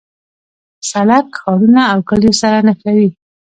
سړک ښارونه او کلیو سره نښلوي.